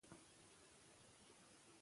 ما لپاره نوې خبرې وې.